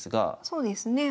そうですね。